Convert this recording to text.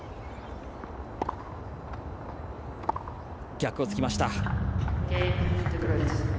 逆をつきました。